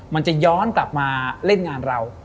มันจะย้อนกลับมาเล่นงานเรา